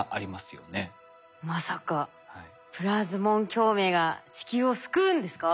まさかプラズモン共鳴が地球を救うんですか？